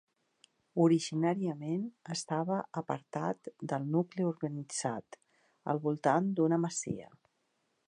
Originàriament estava apartat del nucli urbanitzat, al voltant d'una masia.